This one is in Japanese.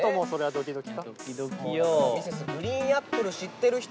ドキドキ！